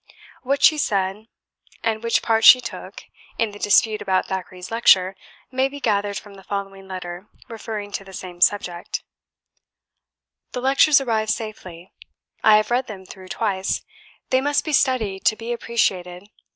What she said, and which part she took, in the dispute about Thackeray's lecture, may be gathered from the following letter, referring to the same subject: "The Lectures arrived safely; I have read them through twice. They must be studied to be appreciated.